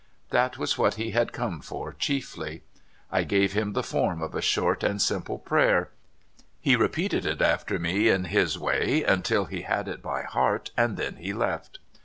That was what he had come for chiefly. I gave CISSAHA. 21 him the form of a short and simple prayer. He repeated it after me in his way until he had it by heart, and then he left.